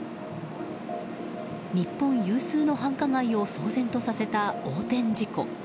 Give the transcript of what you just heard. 日本有数の繁華街を騒然とさせた横転事故。